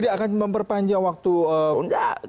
tidak akan memperpanjang waktu